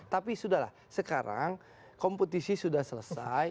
tapi sudah lah sekarang kompetisi sudah selesai